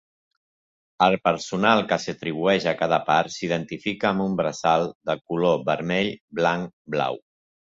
El personal que s'atribueix a cada part s'identifica amb un braçal de color vermell-blanc-blau.